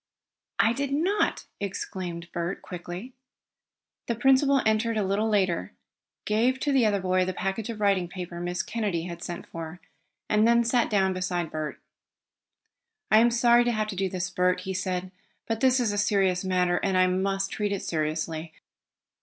"I did not!" exclaimed Bert quickly. The principal entered a little later, gave to the other boy the package of writing paper Miss Kennedy had sent for, and then sat down beside Bert. "I am sorry to have to do this, Bert," he said, "but this is a serious matter and I must treat it seriously.